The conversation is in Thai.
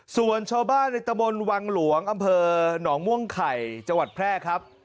ส่วนชาวบ้านในตะบนวังหลวงอำเภอหนองม่วงไข่จังหวัดแพร่ครับ